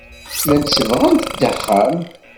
Llant sebbɣent-d axxam.